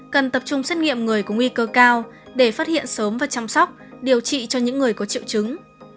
cần tập trung xét nghiệm người có nguy cơ cao để phát hiện sớm và chăm sóc điều trị cho những người có triệu chứng